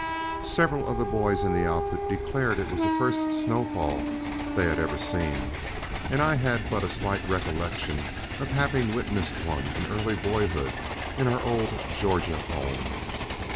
Several of the boys in the outfit declared it was the first snowfall they had ever seen, and I had but a slight recollection of having witnessed one in early boyhood in our old Georgia home.